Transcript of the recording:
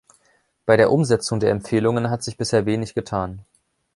Bei der Umsetzung der Empfehlungen hat sich bisher wenig getan.